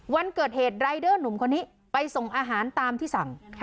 วันเกิดเหตุรายเดอร์หนุ่มคนนี้ไปส่งอาหารตามที่สั่ง